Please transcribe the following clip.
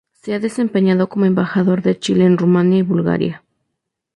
Se ha desempeñado como Embajador de Chile en Rumania y Bulgaria.